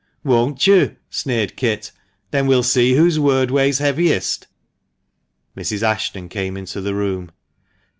" Won't you ?" sneered Kit, " then we'll see whose word weighs heaviest" Mrs. Ashton came into the room.